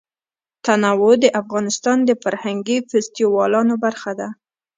تنوع د افغانستان د فرهنګي فستیوالونو برخه ده.